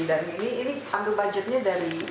jadi ambil budgetnya dari